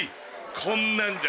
こんなんじゃ